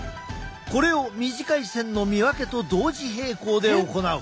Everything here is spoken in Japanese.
これを短い線の見分けと同時並行で行う。